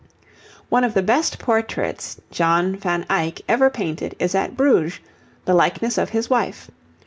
One of the best portraits John van Eyck ever painted is at Bruges the likeness of his wife.